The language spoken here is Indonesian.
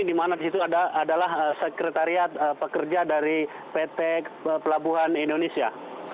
di mana di situ adalah sekretariat pekerja dari pt pelabuhan indonesia